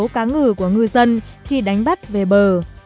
cá ngừ của ngư dân khi đánh bắt về bờ